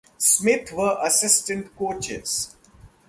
Smith were assistant coaches.